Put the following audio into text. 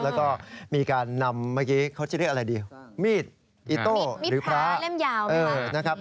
และก็มีการนำเมื่อกี้เขาจะเรียกอะไรดีมีดเอดิโต้หรือที่ภาพ